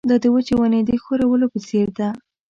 دا د وچې ونې د ښورولو په څېر ده.